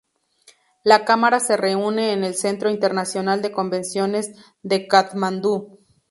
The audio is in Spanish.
La cámara se reúne en el Centro Internacional de Convenciones de Katmandú.